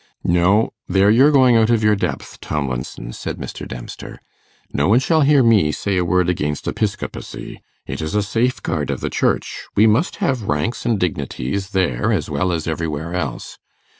'No. There you're going out of your depth, Tomlinson,' said Mr. Dempster. 'No one shall hear me say a word against Episcopacy it is a safeguard of the Church; we must have ranks and dignities there as well as everywhere else.